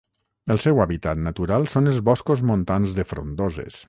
El seu hàbitat natural són els boscos montans de frondoses.